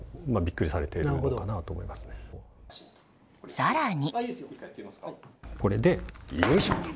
更に。